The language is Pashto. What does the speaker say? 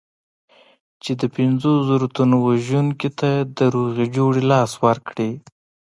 چې د پنځو زرو تنو وژونکي ته د روغې جوړې لاس ورکړي.